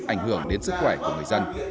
ảnh hưởng đến sức khỏe của người dân